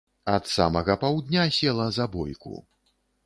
Ад самага паўдня села за бойку.